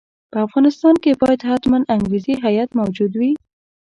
په افغانستان کې باید حتماً انګریزي هیات موجود وي.